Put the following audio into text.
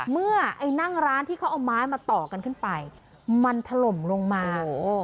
เมื่อไอ้นั่งร้านที่เขาเอาไม้มาต่อกันขึ้นไปมันถล่มลงมา